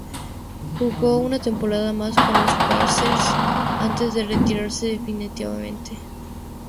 Jugó una temporada más con los Pacers antes de retirarse definitivamente.